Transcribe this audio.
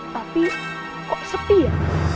tapi kok sepi ya